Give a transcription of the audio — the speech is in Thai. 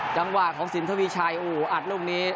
จังหวะของสินทวีชัยโอ้โหอัดลูกนี้